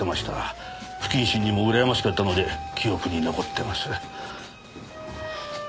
不謹慎にもうらやましかったので記憶に残ってます。